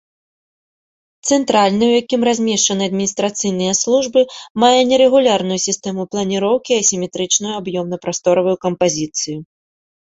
Цэнтральны, у якім размешчаныя адміністрацыйныя службы, мае нерэгулярную сістэму планіроўкі і асіметрычную аб'ёмна-прасторавую кампазіцыю.